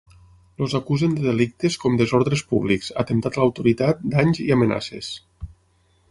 Els acusen de delictes com desordres públics, atemptat a l’autoritat, danys i amenaces.